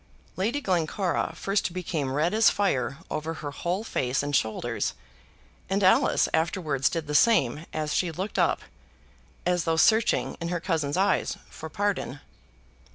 Lady Glencora first became red as fire over her whole face and shoulders, and Alice afterwards did the same as she looked up, as though searching in her cousin's eyes for pardon.